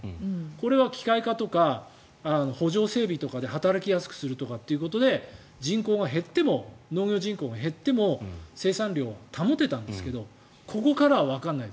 これは機械化とか整備とかで働きやすくするということで農業人口が減っても生産量は保てたんですがここからはわからない。